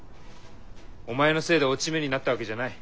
お前のせいで落ち目になったわけじゃない。